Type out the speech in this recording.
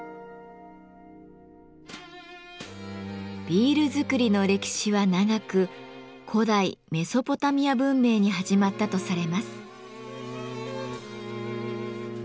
ビールづくりの歴史は長く古代メソポタミア文明に始まったとされます。